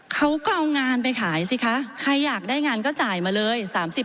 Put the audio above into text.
เขาก็เอางานไปขายสิคะใครอยากได้งานก็จ่ายมาเลย